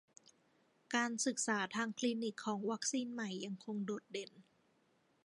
การศึกษาทางคลินิกของวัคซีนใหม่ยังคงโดดเด่น